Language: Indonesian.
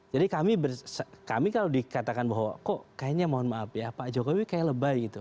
kami kalau dikatakan bahwa kok kayaknya mohon maaf ya pak jokowi kayak lebay gitu